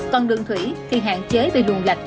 còn đường thủy thì hạn chế vì luồng lạch